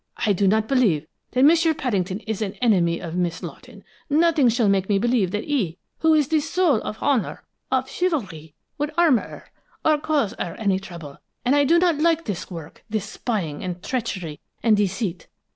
I do not believe that M'sieu Paddington is an enemy of Miss Lawton; nothing shall make me believe that he, who is the soul of honor, of chivalry, would harm her, or cause her any trouble, and I do not like this work, this spying and treachery and deceit!